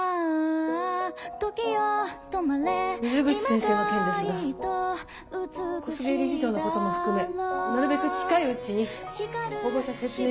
水口先生の件ですが小菅理事長のことも含めなるべく近いうちに保護者説明会も開きたいと思っています。